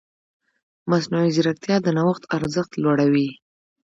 مصنوعي ځیرکتیا د نوښت ارزښت لوړوي.